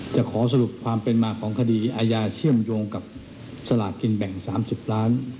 จะขอสรุปความเป็นมาของคดีอาญาเชื่อมโยงกับสลากกินแบ่ง๓๐ล้าน